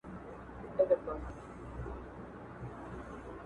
ځار شـــــــــم له جنونه چې جانان ته رســــــــوي سړی